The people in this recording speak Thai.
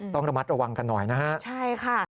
ต้องระมัดระวังกันหน่อยนะฮะใช่ค่ะ